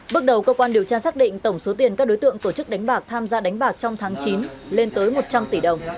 bước đầu cơ quan điều tra xác định tổng số tiền các đối tượng tổ chức đánh bạc tham gia đánh bạc trong tháng chín lên tới một trăm linh tỷ đồng